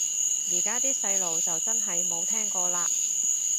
依家啲細路就真係冇聽過嘞